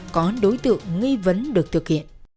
có đối tượng nghi vấn được thực hiện